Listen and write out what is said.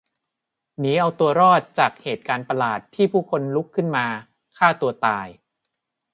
หนีเอาตัวรอดจากเหตุการณ์ประหลาดที่ผู้คนลุกขึ้นมาฆ่าตัวตาย